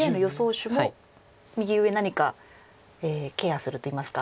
手も右上何かケアするといいますか。